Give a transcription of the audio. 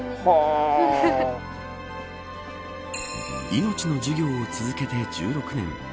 命の授業を続けて１６年。